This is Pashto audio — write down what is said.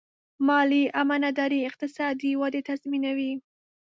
مالي امانتداري اقتصادي ودې تضمینوي.